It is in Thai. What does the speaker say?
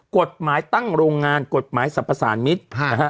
กฎหมายตั้งโรงงานกฎหมายสรรพสารมิตร